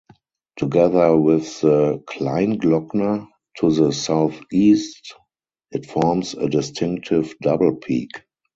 Together with the Kleinglockner to the southeast it forms a distinctive double peak.